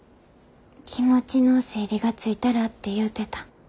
気持ちの整理がついたらって言うてた。